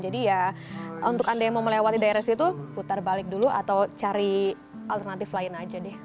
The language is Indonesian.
ya untuk anda yang mau melewati daerah situ putar balik dulu atau cari alternatif lain aja deh